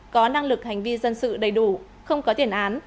có năng lực hành vi dân sự đầy đủ không có tiền án